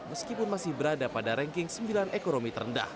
meskipun masih berada pada ranking sembilan ekonomi terendah